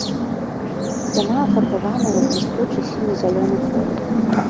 Яна афарбаваная ў бліскучы сіне-зялёны колер.